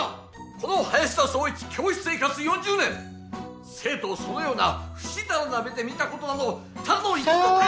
この林田壮一教師生活４０年生徒をそのようなふしだらな目で見た事などただの一度たりとも！